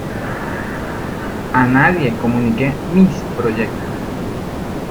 A nadie comuniqué mis proyectos.